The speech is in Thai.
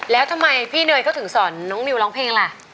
แล้วทำไมพี่เนยเขาถึงสอนน้องนิวร้องเพลงล่ะ